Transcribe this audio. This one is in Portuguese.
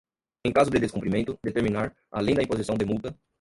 em caso de descumprimento, determinar, além da imposição de multa